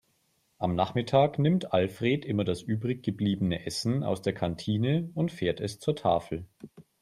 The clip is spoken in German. Am Nachmittag nimmt Alfred immer das übrig gebliebene Essen aus der Kantine und fährt es zur Tafel.